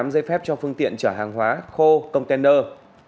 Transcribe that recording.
năm trăm ba mươi tám giấy phép cho phương tiện trở hàng hóa khô container